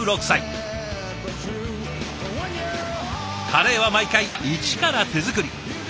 カレーは毎回一から手作り。